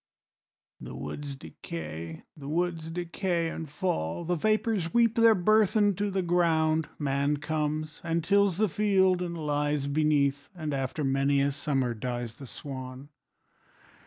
<> The woods decay, the woods decay and fall, The vapors weep their burthen to the ground, Man comes and tills the field and lies beneath, And after many a summer dies the swan.